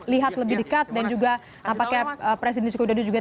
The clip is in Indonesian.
lihat lebih dekat dan juga nampaknya presiden joko widodo juga